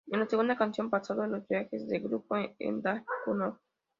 En la segunda canción-pasado, los viajes de grupo en Dar-Kunor.